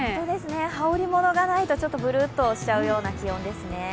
羽織りものがないと、ちょっとぶるっとしちゃうような気温ですね。